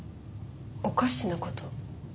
おかしなこと？